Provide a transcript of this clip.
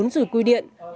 bốn rủi quy điện